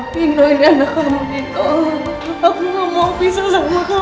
aku gak mau pisah sama kamu